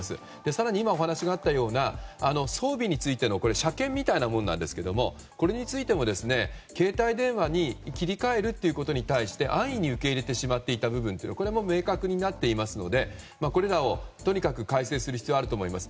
更に今、お話があったような装備についての車検みたいなものなんですがこれについても携帯電話に切り替えるということに対して安易に受け入れてしまっていた部分も明確になっているのでこれらをとにかく改正する必要があると思います。